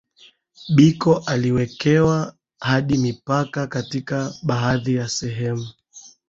Biko aliwekewa hadi mipaka katika baadhi ya sehemu